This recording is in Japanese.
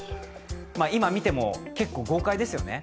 今、見ても結構、豪快ですよね。